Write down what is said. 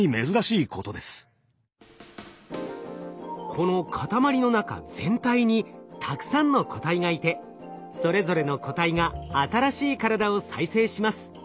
この塊の中全体にたくさんの個体がいてそれぞれの個体が新しい体を再生します。